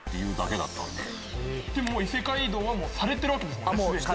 異世界移動はもうされてるわけですもんね。